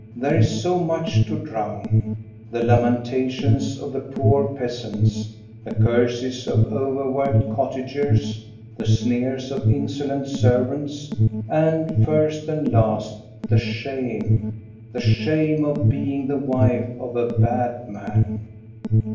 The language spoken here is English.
There is so much to drown : the lamentations of the poor peasants, the curses of over worked cottagers, the sneers of insolent servants, and, first and last, the shame, — the shame of being the wife of a bad man.